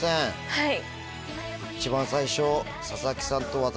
はい。